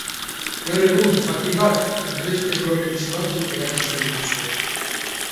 Gaur egun batik bat beste kolore bizi batzuk erabiltzen dituzte.